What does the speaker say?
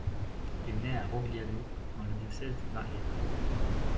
Il nait à Rogliano dans le diocèse de Mariana.